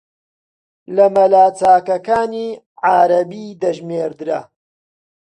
لە مەلا چاکەکانی عارەبی دەژمێردرا